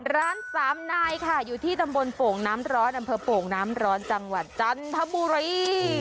สามนายค่ะอยู่ที่ตำบลโป่งน้ำร้อนอำเภอโป่งน้ำร้อนจังหวัดจันทบุรี